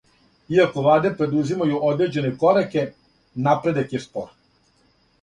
Иако владе предузимају одређене кораке, напредак је спор.